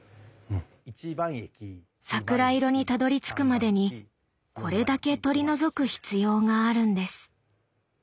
桜色にたどりつくまでにこれだけ取り除く必要があるんです。